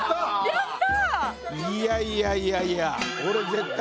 やった！